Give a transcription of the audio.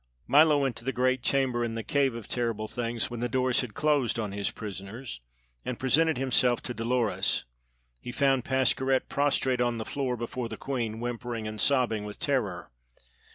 Milo went to the great chamber in the Cave of Terrible Things when the doors had closed on his prisoners, and presented himself to Dolores. He found Pascherette prostrate on the floor before the queen, whimpering and sobbing with terror.